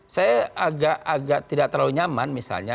saya agak tidak terlalu nyaman misalnya